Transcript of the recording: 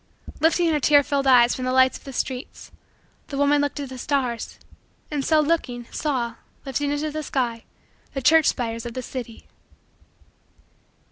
Lifting her tear filled eyes from the lights of the streets the woman looked at the stars, and, so looking, saw, lifting into the sky, the church spires of the city.